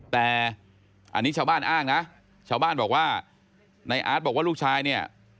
แต่อันนี้ชาวบ้านอ้างนะชาวบ้านบอกว่าในอาร์ตบอกว่าลูกชายเนี่ย